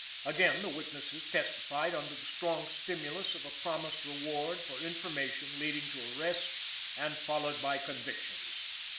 Again, the witnesses testified under the strong stimulus of a promised reward for information leading to arrest and followed by convictions."